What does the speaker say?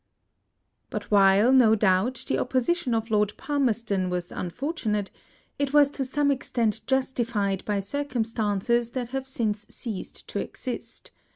But while, no doubt, the opposition of Lord Palmerston was unfortunate, it was to some extent justified by circumstances that have since ceased to exist.